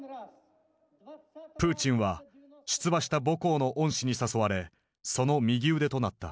プーチンは出馬した母校の恩師に誘われその右腕となった。